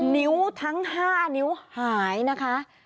นิ้วทั้ง๕นิ้วหายนะคะ